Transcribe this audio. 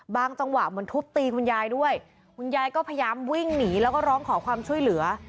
จังหวะเหมือนทุบตีคุณยายด้วยคุณยายก็พยายามวิ่งหนีแล้วก็ร้องขอความช่วยเหลือ